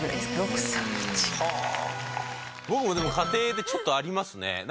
僕もでも家庭でちょっとありますね。